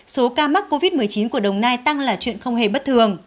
số ca mắc covid một mươi chín của đồng nai tăng là chuyện không hề bất thường